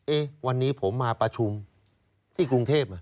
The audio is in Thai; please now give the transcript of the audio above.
วันนี้ผมมาประชุมที่กรุงเทพ